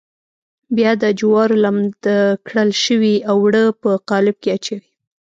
بیا د جوارو لمد کړل شوي اوړه په قالب کې اچوي.